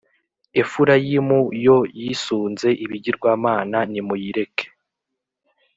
Efurayimu yo yisunze ibigirwamana, nimuyireke!